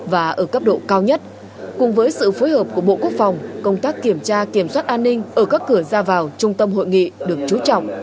và ở cấp độ cao nhất cùng với sự phối hợp của bộ quốc phòng công tác kiểm tra kiểm soát an ninh ở các cửa ra vào trung tâm hội nghị được trú trọng